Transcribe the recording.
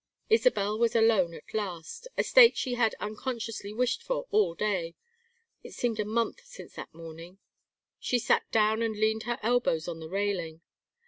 Isabel was alone at last, a state she had unconsciously wished for all day it seemed a month since the morning. She sat down and leaned her elbows on the railing.